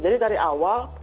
jadi dari awal